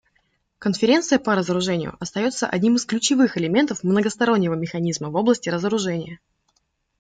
Конференция по разоружению остается одним из ключевых элементов многостороннего механизма в области разоружения.